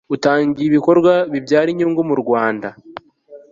utangiye ibikorwa bibyara inyungu mu rwanda